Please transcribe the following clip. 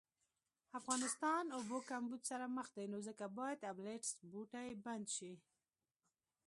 افغانستان اوبو کمبود سره مخ دي نو ځکه باید ابلیټس بوټی بند شي